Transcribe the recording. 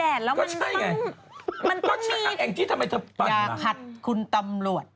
เออ